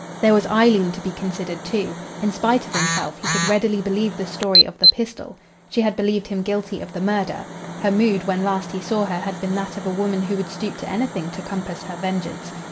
There was Eileen to be considered too. In spite of himself, he could readily believe the story of the pistol. She had believed him guilty of the murder. Her mood when last he saw her had been that of a woman who would stoop to anything to compass her vengeance.